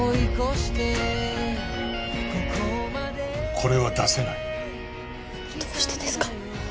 これは出せないどうしてですか？